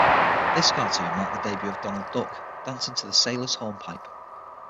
This cartoon marked the debut of Donald Duck, dancing to the Sailor's Hornpipe.